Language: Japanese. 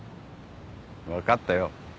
分かったよ。